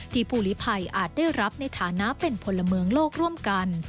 ผู้ลิภัยอาจได้รับในฐานะเป็นพลเมืองโลกร่วมกัน